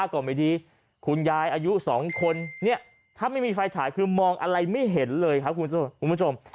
ก็ไม่ดีคุณยายอายุ๒คนเนี่ยถ้าไม่มีไฟฉายคือมองอะไรไม่เห็นเลยครับคุณผู้ชม